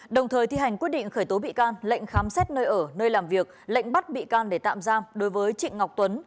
đồng thời thi hành quyết định khởi tố bị can lệnh khám xét nơi ở nơi làm việc lệnh bắt bị can để tạm giam đối với trịnh ngọc tuấn